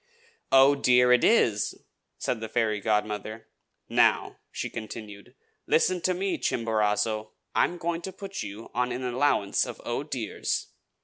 "'Oh, dear!' it is!" said the fairy godmother. "Now," she continued, "listen to me, Chimborazo! I am going to put you on an allowance of 'Oh, dears.'